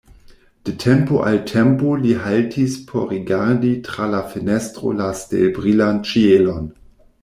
De tempo al tempo li haltis por rigardi tra la fenestro la stelbrilan ĉielon.